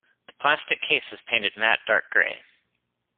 The plastic case is painted matte dark grey.